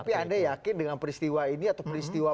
tapi anda yakin dengan peristiwa ini atau peristiwa